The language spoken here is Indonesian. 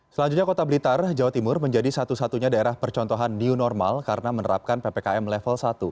selanjutnya kota blitar jawa timur menjadi satu satunya daerah percontohan new normal karena menerapkan ppkm level satu